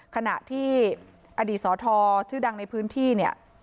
ขณะที่อดีตสทชื่อดังในพื้นที่เนี่ย